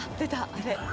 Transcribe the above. あれ。